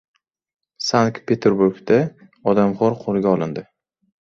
Sankt-Peterburgda odamxo‘r qo‘lga olindi